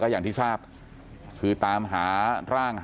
ก็เป็นเรื่อง